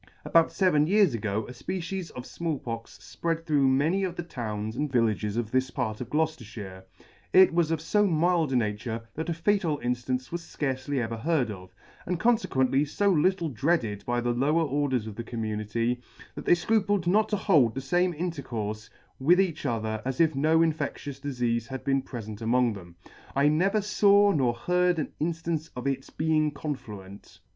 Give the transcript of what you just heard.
— About feven years ago a fpecies of Small Pox fpread through many of the towns and villages of this part of Gloucefterfhire : it was of fo mild a nature, that a fatal inftance was fcarcely ever heard of, and confequently fo little dreaded by the lower orders of the community, that they fcrupled not to hold the fame intercourfe with each other as if no infectious difeafe had been prefent among them. I never faw nor heard of an inftance of its being confluent.